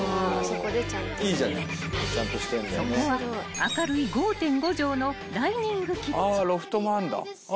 ［そこは明るい５．５畳のダイニングキッチン］